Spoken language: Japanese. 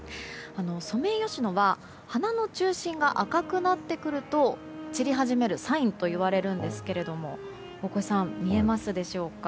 ソメイヨシノは花の中心が赤くなってくると散り始めるサインといわれるんですが大越さん、見えますでしょうか。